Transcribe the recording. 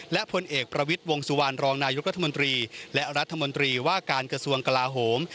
และผลเอกประวิทย์วงสุวรรณรองนายกรัฐมนตรีและรัฐมนตรีว่าการกระทรวงกลาโหม